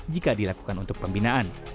jika dilakukan untuk pembinaan